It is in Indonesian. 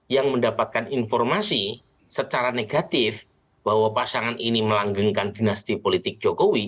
yang mendapatkan informasi secara negatif bahwa pasangan ini melanggengkan dinasti politik jokowi